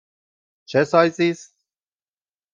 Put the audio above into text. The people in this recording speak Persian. چه سایزی است؟